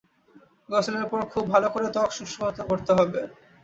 গোসলের পর খুব ভালো করে ত্বক শুষ্ক করতে হবে।